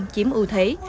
chiếm ưu thế